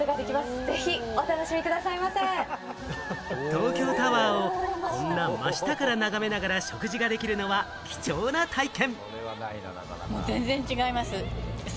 東京タワーをこんな真下から眺めながら食事ができるのは貴重な体験。